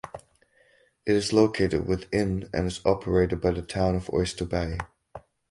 It is located within and is operated by the Town of Oyster Bay.